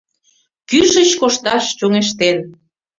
— Кӱшыч кошташ чоҥештен